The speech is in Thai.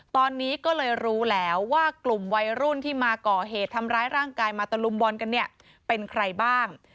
ตอนนี้ก็เลยรู้แล้วว่ากลุ่มวัยรุ่นที่มาก่อเหตุทำร้ายร่างกายมาตะลุมบอลกันเนี่ยเป็นใครบ้าง